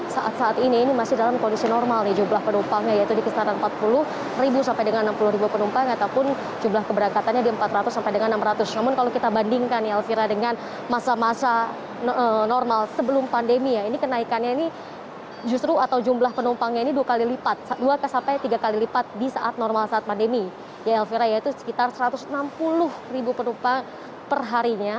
ya elvira itu sekitar satu ratus enam puluh ribu penumpang perharinya